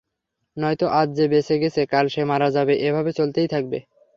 নয়তো আজ যে বেঁচে গেছে কাল সে মারা যাবে, এভাবে চলতেই থাকবে।